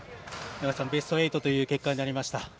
永原さん、ベスト８という結果になりました。